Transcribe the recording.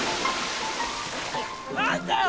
何だよ！